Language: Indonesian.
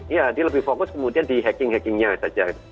ya dia lebih fokus kemudian di hacking hackingnya saja